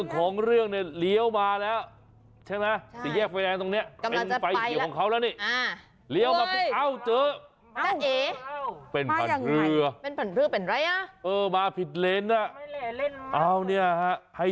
กับไว้เพราะมันเป็นอุบัติเหตุสักทีเดียว